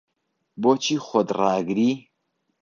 بۆچی خۆت ڕائەگری؟